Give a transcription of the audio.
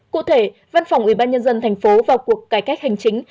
cụ thể văn phòng ủy ban nhân dân thành phố vào cuộc cải cách hành chính